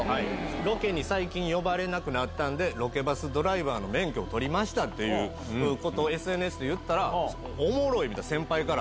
ロケに最近呼ばれなくなったんで、ロケバスドライバーの免許を取りましたっていうことをＳＮＳで言ったら、おもろいみたいな、先輩から。